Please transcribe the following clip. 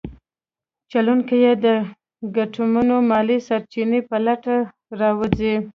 چلونکي یې د ګټمنو مالي سرچینو په لټه راوځي.